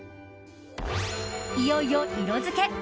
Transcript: いよいよ色づけ。